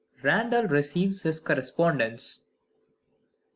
Randal Receives His Correspondence.